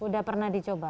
udah pernah dicoba